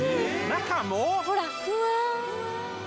中も！？